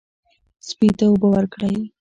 سپي ته اوبه ورکړئ.